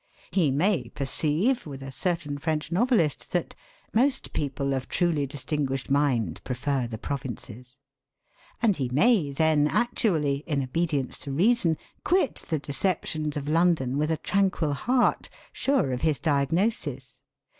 He may perceive, with a certain French novelist, that 'most people of truly distinguished mind prefer the provinces.' And he may then actually, in obedience to reason, quit the deceptions of London with a tranquil heart, sure of his diagnosis.